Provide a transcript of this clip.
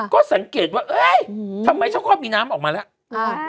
ก็สังเกตว่าเอ้ยทำไมฉันค่อยมีน้ำออกมาแล้ว